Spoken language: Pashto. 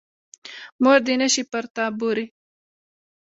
مور دې نه شي پر تا بورې.